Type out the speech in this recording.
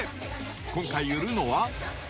今回、売るのは。